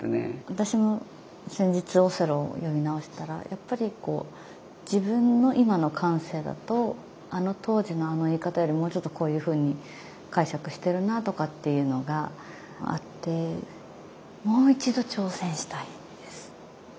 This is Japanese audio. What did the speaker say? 私も先日「オセロー」を読み直したらやっぱりこう自分のいまの感性だとあの当時のあの言い方よりもうちょっとこういうふうに解釈してるなとかっていうのがあってもう一度挑戦したいです。